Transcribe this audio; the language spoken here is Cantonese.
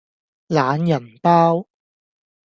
懶人包